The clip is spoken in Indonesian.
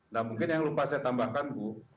nah mungkin yang lupa saya tambahkan bu